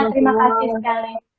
terima kasih sekali